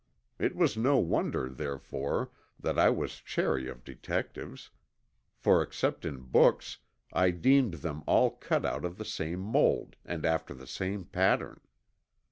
It was no wonder therefore that I was chary of detectives, for except in books, I deemed them all cut out of the same mold and after the same pattern.